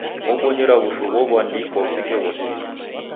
Obonyerwa w'ushu ghow'andikwa usekeghosia.